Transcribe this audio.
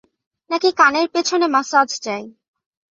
নাকি কানের পেছনে ম্যাসাজ চাই?